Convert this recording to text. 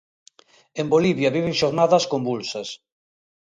En Bolivia viven xornadas convulsas.